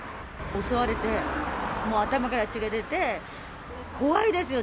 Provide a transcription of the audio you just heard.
襲われて、もう頭から血が出て、怖いですよ。